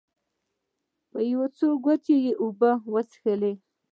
یو څو ګوټه اوبه مې وڅښلې.